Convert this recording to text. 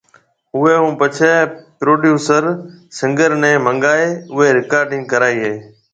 اوئي ھونپڇي پروڊيوسر سنگر ني منگائي اوئي رڪارڊنگ ڪرائي ھيَََ